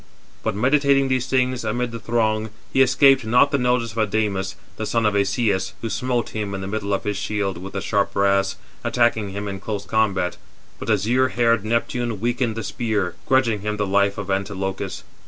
But meditating these things amid the throng, he escaped not the notice of Adamas, the son of Asias, who smote him in the middle of his shield with the sharp brass, attacking him in close combat; but azure haired Neptune weakened the spear, grudging 435 him the life [of Antilochus].